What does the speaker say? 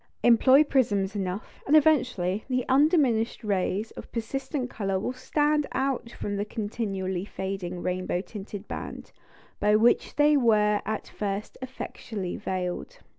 Employ prisms enough, and eventually the undiminished rays of persistent colour will stand out from the continually fading rainbow tinted band, by which they were at first effectually veiled.